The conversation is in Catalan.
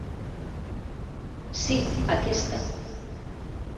Sí, aquesta...